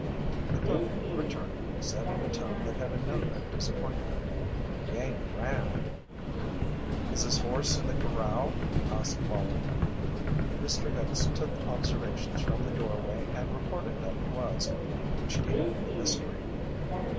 The cook, returning, said in a tone that had a note of disappointment. "He ain't drowned." "Is his horse in the corral?" asked Wallie. Mr. Hicks took observations from the doorway and reported that it was, which deepened the mystery.